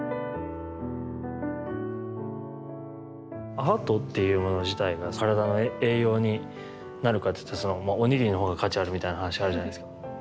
アートっていうもの自体が体の栄養になるかっていうとそのまあお握りの方が価値あるみたいな話があるじゃないですか。